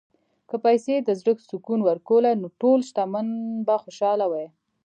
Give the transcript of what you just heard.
که پیسې د زړه سکون ورکولی، نو ټول شتمن به خوشاله وای.